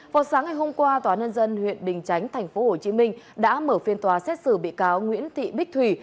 vào sáng ngày hôm qua tòa nhân dân huyện bình chánh tp hcm đã mở phiên tòa xét xử bị cáo nguyễn thị bích thủy